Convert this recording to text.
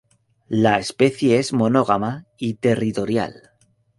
La especie es monógama y territorial.